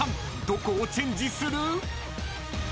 どこをチェンジする？］